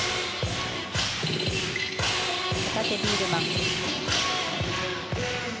片手ビールマン。